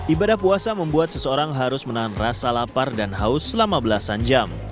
ibadah puasa membuat seseorang harus menahan rasa lapar dan haus selama belasan jam